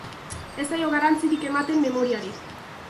Ez zaio garrantzirik ematen memoriari.